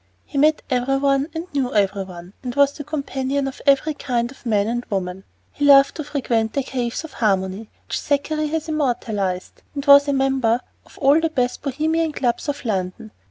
He met every one and knew every one, and was the companion of every kind of man and woman. He loved to frequent the "caves of harmony" which Thackeray has immortalized, and he was a member of all the best Bohemian clubs of London.